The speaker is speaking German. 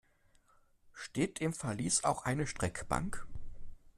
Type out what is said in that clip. Steht im Verlies auch eine Streckbank?